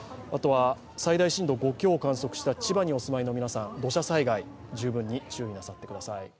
最大震度５強を観測した千葉にお住まいの皆さん、土砂災害、十分に注意なさってください。